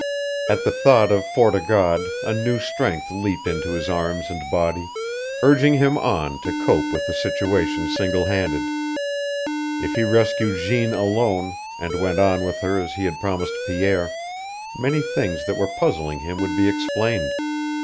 At the thought of Fort o' God a new strength leaped into his arms and body, urging him on to cope with the situation single handed. If he rescued Jeanne alone, and went on with her as he had promised Pierre, many things that were puzzling him would be explained.